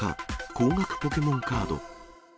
高額ポケモンカード。